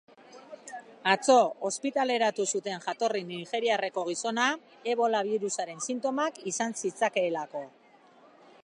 Atzo ospitaleratu zuten jatorri nigeriarreko gizona, ebola birusaren sintomak izan zitzakeelako.